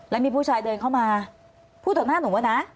แล้วมีผู้ชายเดินเข้ามาพูดต่อหน้าหนูอะนะ